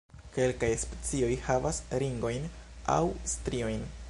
Kelkaj specioj havas ringojn aŭ striojn.